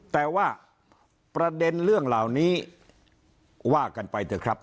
แต่ว่าประเด็นเรื่องเหล่านี้ว่ากันไปเถอะครับ